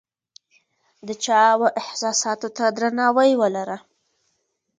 د چا و احساساتو ته درناوی ولره !